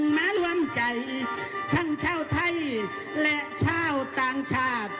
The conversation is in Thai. มาร่วมใจทั้งชาวไทยและชาวต่างชาติ